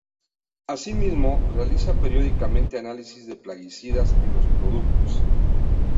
Así mismo, realiza periódicamente análisis de plaguicidas en los productos.